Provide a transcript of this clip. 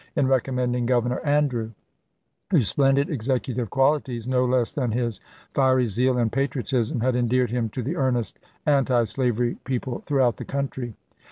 in recommending Governor Andrew, whose splendid executive qualities no less than his fiery zeal and patriotism had endeared him to the earnest anti slavery people throughout the country.